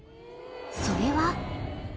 ［それは］